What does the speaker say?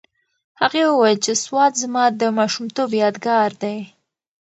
هغې وویل چې سوات زما د ماشومتوب یادګار دی.